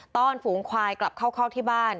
้อนฝูงควายกลับเข้าคอกที่บ้าน